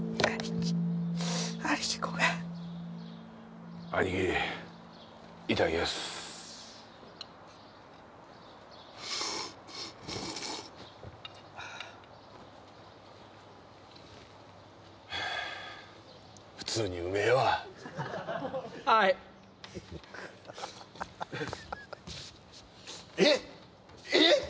貴兄貴ごめん兄貴いただきやすはあ普通にうめえわあいえっえっ！？